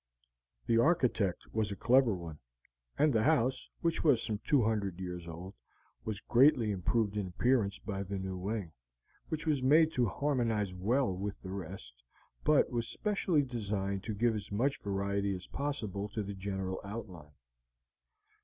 The architect was a clever one, and the house, which was some two hundred years old, was greatly improved in appearance by the new wing, which was made to harmonize well with the rest, but was specially designed to give as much variety as possible to the general outline.